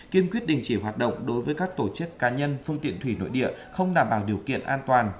kiên quyết đình chỉ hoạt động đối với các tổ chức cá nhân phương tiện thủy nội địa không đảm bảo điều kiện an toàn